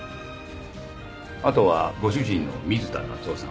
あとはご主人の水田夏雄さん。